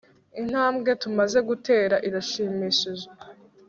intambwe tumaze gutera irashimishije